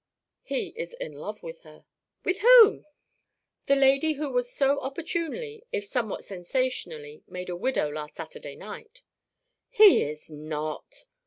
"He is in love with her." "With whom?" "The lady who was so opportunely, if somewhat sensationally, made a widow last Saturday night." "He is not!